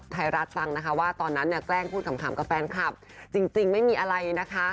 แต่ตอนนั้นแกล้งพูดขำกับแฟนคลับจริงไม่มีอะไรนะคะ